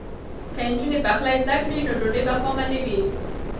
که نجونې پخلی زده کړي نو ډوډۍ به خامه نه وي.